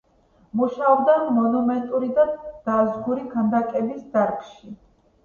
მუშაობდა მონუმენტური და დაზგური ქანდაკების დარგში.